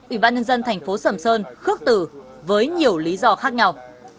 ủy ban nhân dân thành phố sầm sơn khước tử với nhiều lý do khác nhau